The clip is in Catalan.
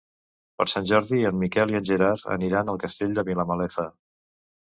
Per Sant Jordi en Miquel i en Gerard aniran al Castell de Vilamalefa.